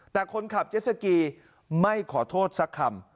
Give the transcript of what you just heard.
แต่คนขับเจสสกีไม่ขอโทษสักคำ